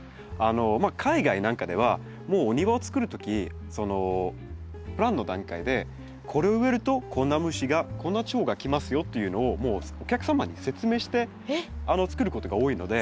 海外なんかではもうお庭を作る時そのプランの段階でこれを植えるとこんな虫がこんなチョウが来ますよっていうのをもうお客様に説明して作ることが多いので。